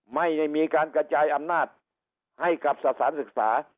ไม่ได้มีการกระจายอำนาจให้กับสถานศึกษา